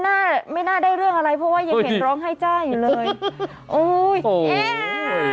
น่าไม่น่าได้เรื่องอะไรเพราะว่ายังเห็นร้องไห้จ้าอยู่เลยโอ้ยเอ๊ะ